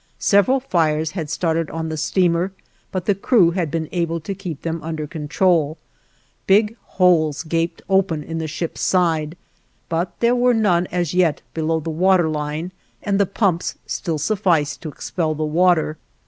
Several fires had started on the steamer, but the crew had been able to keep them under control; big holes gaped open in the ship's side, but there were none as yet below the water line, and the pumps still sufficed to expel the water.